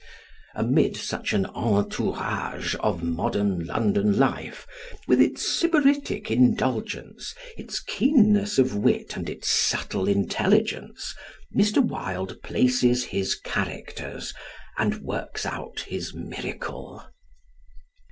Amid such an entourage of modern London life, with its Sybaritic indulgence, its keenness of wit and its subtle intelligence, Mr. Wilde places his characters and works out his miracle.